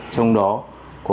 trong đó có